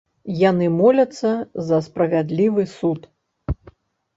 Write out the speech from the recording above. Яны моляцца за справядлівы суд.